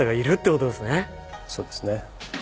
そうですね。